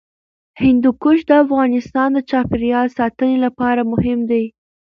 هندوکش د افغانستان د چاپیریال ساتنې لپاره مهم دي.